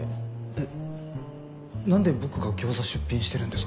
えっなんで僕が餃子出品してるんですか？